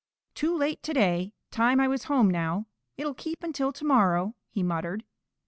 "Too late to day. Time I was home now. It'll keep until to morrow," he muttered.